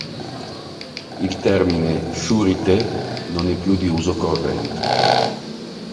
Il termine "Shuri-te" non è più di uso corrente.